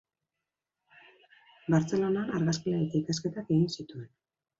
Bartzelonan argazkilaritza ikasketak egin zituen.